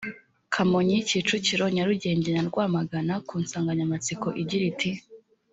kamonyi kicukiro nyarugenge na rwamagana ku nsanganyamatsiko igira iti